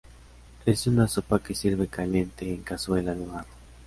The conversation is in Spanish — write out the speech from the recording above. Es una sopa que sirve caliente en cazuela de barro.